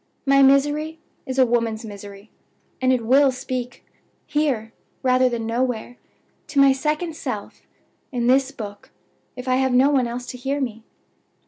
My misery is a woman's misery, and it will speak here, rather than nowhere; to my second self, in this book, if I have no one else to hear me.